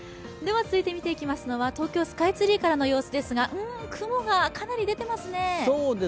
続いて見ていきますのは東京スカイツリーからの様子ですが雲がかなり出ていますね。